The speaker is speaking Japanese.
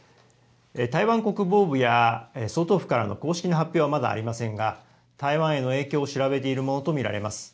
台湾国防部や総統府からの公式の発表はまだありませんが、台湾への影響を調べているものと見られます。